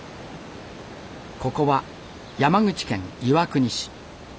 ここは山口県岩国市。